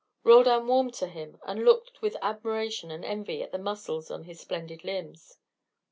Roldan warmed to him, and looked with admiration and envy at the muscles on his splendid limbs.